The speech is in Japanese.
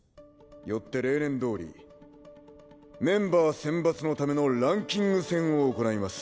よって例年通りメンバー選抜のためのランキング戦を行います。